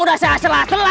udah saya sela sela